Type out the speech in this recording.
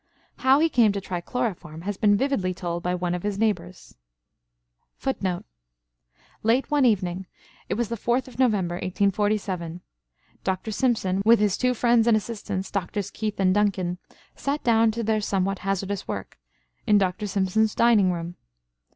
How he came to try chloroform has been vividly told by one of his neighbors. [Footnote: "Late one evening, it was the 4th of November, 1847, Dr. Simpson, with his two friends and assistants, Drs. Keith and Duncan, sat down to their somewhat hazardous work in Dr. Simpson's dining room.